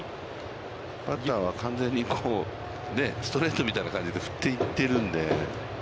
バッターは完全にストレートみたいな感じで振っていってるので。